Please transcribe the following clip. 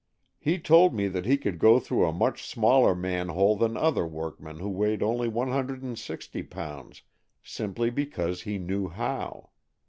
He told me that he could go through a much smaller man hole than another workman who weighed only one hundred and sixty pounds, simply because he knew how.